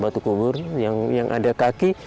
batu kubur yang ada kaki